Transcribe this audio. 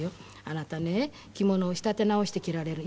「あなたね着物を仕立て直して着られる」衣装をですよ。